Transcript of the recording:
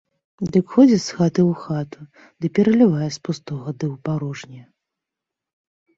Дык ходзіць з хаты ў хату ды пералівае з пустога ды ў парожняе.